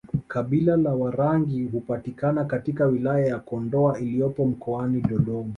Kabila la Warangi hupatikana katika wilaya ya Kondoa iliyopo mkoani Dodoma